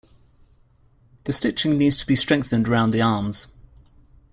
The stitching needs to be strengthened around the arms.